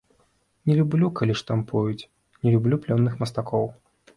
Не люблю, калі штампуюць, не люблю плённых мастакоў.